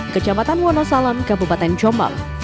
kejabatan wonosalon kabupaten jombang